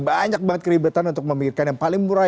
banyak banget keribetan untuk memikirkan yang paling murah